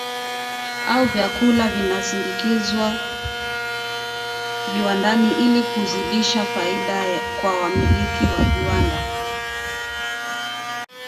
Au vyakula vinasindikwa viwandani ili kuzidisha faida kwa wamiliki wa viwanda